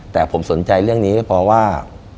แต่ผมสนใจเรื่องนี้ก็เพราะว่า